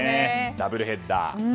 ダブルヘッダー。